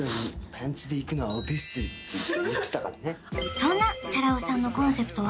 そんなチャラ男さんのコンセプトは？